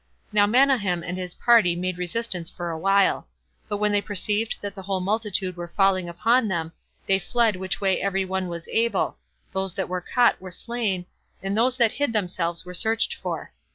Now Manahem and his party made resistance for a while; but when they perceived that the whole multitude were falling upon them, they fled which way every one was able; those that were caught were slain, and those that hid themselves were searched for.